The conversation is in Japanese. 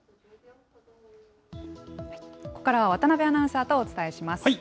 ここからは渡辺アナウンサーとお伝えします。